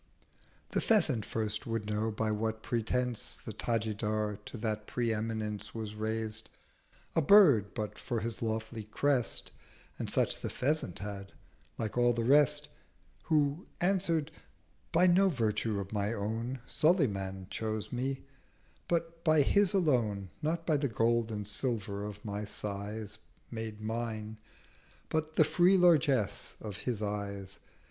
The Pheasant first would know by what pretence The Tajidar to that pre eminence Was raised—a Bird, but for his lofty Crest (And such the Pheasant had) like all the Rest—130 Who answer'd—'By no Virtue of my own Sulayman chose me, but by His alone: Not by the Gold and Silver of my Sighs Made mine, but the free Largess of his Eyes.